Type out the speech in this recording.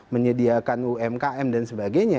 menyediakan umkm dan sebagainya